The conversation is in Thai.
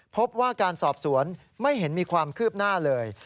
พบว่าการสอบสวนไม่เห็นมีความคืบหน้าเลย